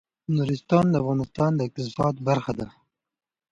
نورستان د افغانستان د اقتصاد برخه ده.